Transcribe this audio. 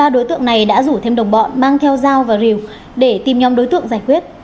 ba đối tượng này đã rủ thêm đồng bọn mang theo dao và rìu để tìm nhóm đối tượng giải quyết